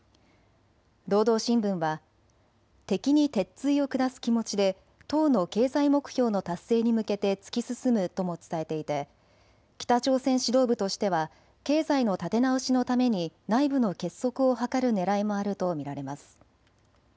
労働新聞は敵に鉄ついを下す気持ちで党の経済目標の達成に向けて突き進むとも伝えていて北朝鮮指導部としては経済の立て直しのために内部の結束を図るねらいもあると見られます。